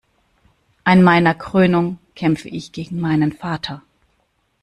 An meiner Krönung kämpfte ich gegen meinen Vater.